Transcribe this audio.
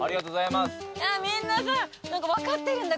みんなさ分かってるんだ